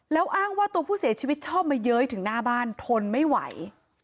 แล้วอ้างว่าตัวผู้เสียชีวิตชอบมาเย้ยถึงหน้าบ้านทนไม่ไหว